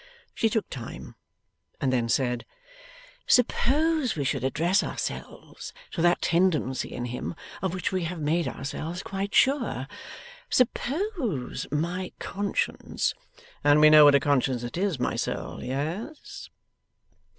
She took time and then said: 'Suppose we should address ourselves to that tendency in him of which we have made ourselves quite sure. Suppose my conscience ' 'And we know what a conscience it is, my soul. Yes?